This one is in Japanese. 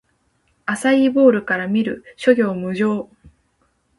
アサイーボウルから見る！諸行無常